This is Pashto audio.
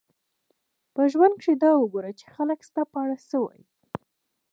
په ژوند کښي دا وګوره، چي خلک ستا په اړه څه وايي.